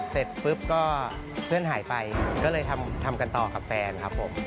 เสร็จปุ๊บก็เพื่อนหายไปก็เลยทำกันต่อกับแฟนครับผม